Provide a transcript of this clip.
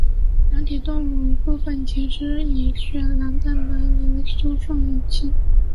软体动物与部分的节肢动物以血蓝蛋白来输送氧气。